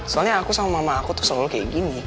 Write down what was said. soalnya aku sama mama aku tuh selalu kayak gini